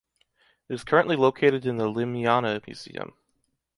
It is currently located in the Llimiana Museum.